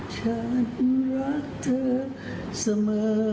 ฉันรักเธอเสมอ